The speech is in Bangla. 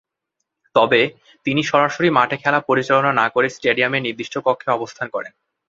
তবে, তিনি সরাসরি মাঠে খেলা পরিচালনা না করে স্টেডিয়ামের নির্দিষ্ট কক্ষে অবস্থান করেন।